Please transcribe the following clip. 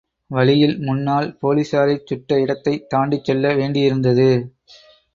வழியில் முன்னால் போலிஸாரைச் சுட்ட இடத்தைத் தாண்டிச்செல்ல வேண்டியிருந்தது.